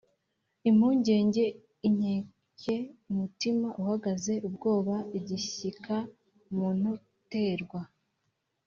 impungenge: inkeke, umutima uhagaze, ubwoba, igishyika umuntu terwa